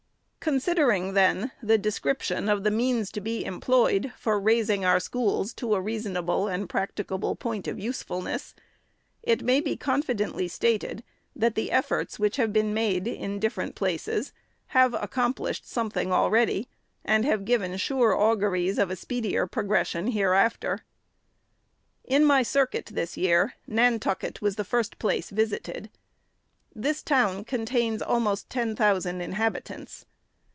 Considering, then, the description of the means to be employed for raising our schools to a reasonable and prac ticable point of usefulness, it may be confidently stated, that the efforts, which have been made, in different places, have accomplished something already, and have given sure auguries of a speedier progression hereafter. In my circuit this year, Nantucket was the first place visited. The town contains almost 10,000 inhabitants.